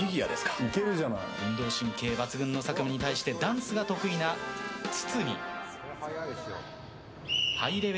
運動神経抜群の佐久間に対してダンスが得意な堤。